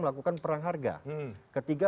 melakukan perang harga ketiga